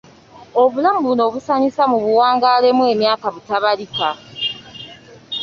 Obulamu buno obusanyusa mubuwangaalemu emyaka butabalika.